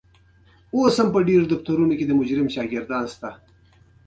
امام بخاري رحمه الله په الأدب المفرد کي